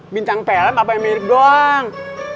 bintang film apa yang mirip doang